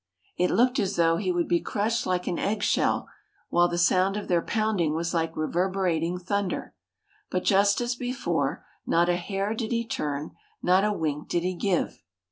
It looked as though he would be crushed like an egg shell, while the sound of their pounding was like reverberating thunder. But just as before, not a hair did he turn, not a wink did he give.